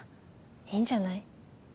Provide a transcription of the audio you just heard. いいんじゃない？